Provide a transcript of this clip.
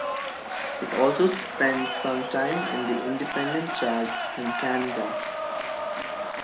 It also spent some time in the independent charts in Canada.